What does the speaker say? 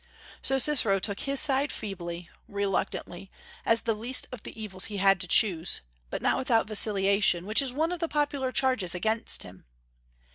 So Cicero took his side feebly, reluctantly, as the least of the evils he had to choose, but not without vacillation, which is one of the popular charges against him.